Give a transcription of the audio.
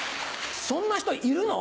そんな人いるの？